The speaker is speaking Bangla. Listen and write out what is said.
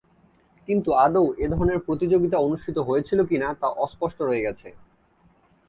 কিন্তু, আদৌ এ ধরনের প্রতিযোগিতা অনুষ্ঠিত হয়েছিল কি-না তা অস্পষ্ট রয়ে গেছে।